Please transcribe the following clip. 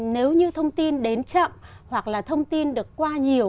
nếu như thông tin đến chậm hoặc là thông tin được qua nhiều